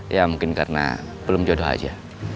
ya mungkin karena belum jodoh aja